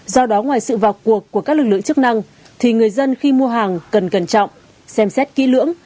do đó ngoài sự vào cuộc của các lực lượng chức năng thì người dân khi mua hàng cần cẩn trọng xem xét kỹ lưỡng